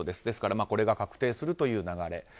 ですからこれが確定するという流れ。